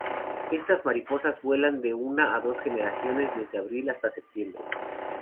Estas mariposas vuelan de una a dos generaciones desde abril hasta septiembre.